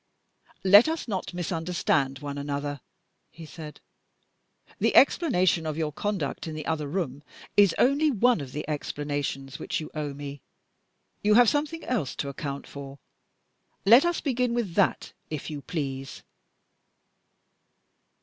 "Let us not misunderstand one another," he said. "The explanation of your conduct in the other room is only one of the explanations which you owe me. You have something else to account for. Let us begin with that, if you please."